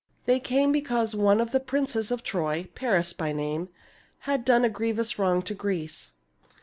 They came because one of the princes of Troy, Paris by name, had done a grievous wrong to Greece.